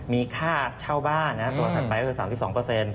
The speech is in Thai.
มีค่าเช่าบ้านตัวถัดไปก็คือ๓๒เปอร์เซ็นต์